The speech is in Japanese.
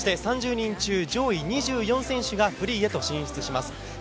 ３０人中上位２４選手がフリーに進出します。